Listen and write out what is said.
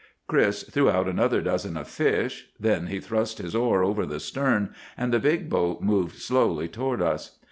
"Chris threw out another dozen of fish. Then he thrust his oar over the stern, and the big boat moved slowly toward us.